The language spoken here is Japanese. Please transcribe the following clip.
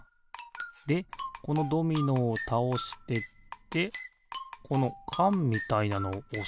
でこのドミノをたおしてってこのかんみたいなのをおすってことか。